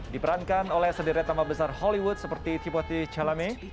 diperankan oleh sederet nama besar hollywood seperti thibaut chalamet